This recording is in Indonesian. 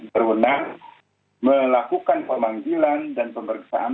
berwenang melakukan pemanggilan dan pemeriksaan